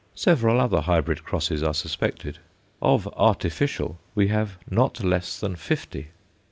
Several other hybrid crosses are suspected. Of artificial we have not less than fifty.